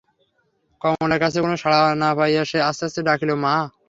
কমলার কাছে কোনো সাড়া না পাইয়া সে আস্তে আস্তে ডাকিল, মা!